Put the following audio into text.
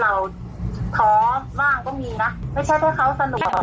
ไม่ใช่ให้เขาสนุกแล้วมันทำให้คนลูกน้องเราอีกครับ